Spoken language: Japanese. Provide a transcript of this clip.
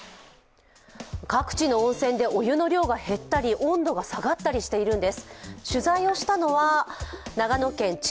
各地の温泉でお湯の量が減ったり、温度が下がったりしているんです。